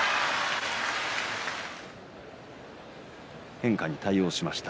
変化に対応しました。